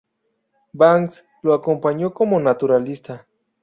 Banks lo acompañó como naturalista.